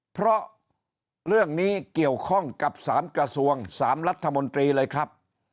เพราะเรื่องนี้เกี่ยวข้องกับ๓กระทรวง๓รัฐมนตรีเลยครับ